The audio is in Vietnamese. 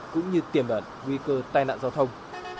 cũng như tiềm ẩn nguy cơ tai nạn giao thông